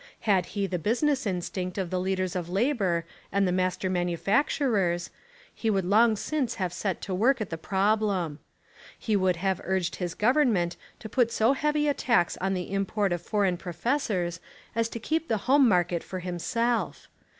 Had he the business instinct of the lead ers of labour and the master manufacturers, he would long since have set to work at the prob lem. He would have urged his government to put so heavy a tax on the import of foreign professors as to keep the home market for himself.